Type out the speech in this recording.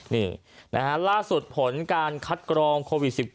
นี่นะฮะล่าสุดผลการคัดกรองโควิด๑๙